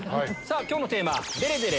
今日のテーマ。